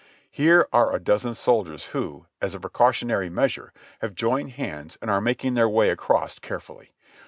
Here are a dozen soldiers who, as a precautionary measure, have joined hands and are mak ing their way across carefully.